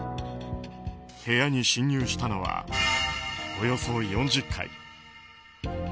部屋に侵入したのはおよそ４０回。